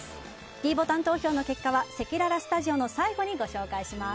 ｄボタン投票の結果はせきららスタジオの最後にご紹介します。